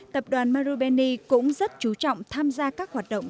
tập đoàn marubeni cũng rất chú trọng tham gia các hoạt động